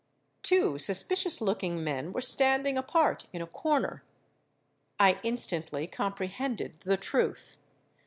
Two suspicious looking men were standing apart in a corner. I instantly comprehended the truth.